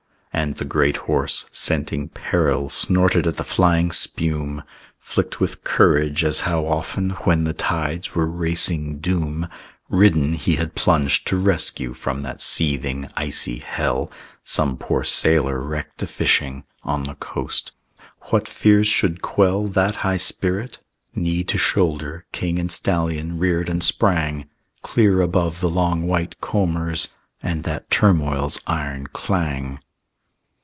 And the great horse, scenting peril, Snorted at the flying spume, Flicked with courage, as how often, When the tides were racing doom, Ridden, he had plunged to rescue From that seething icy hell Some poor sailor wrecked a fishing On the coast. What fears should quell That high spirit? Knee to shoulder, King and stallion reared and sprang Clear above the long white combers And that turmoil's iron clang.